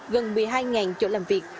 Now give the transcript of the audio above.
gần một mươi hai chỗ làm việc